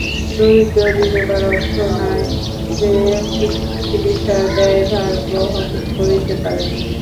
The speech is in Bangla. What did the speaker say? দরিদ্র বিধবার অর্থ নাই যে চিকিৎসার ব্যয়ভার বহন করিতে পারেন।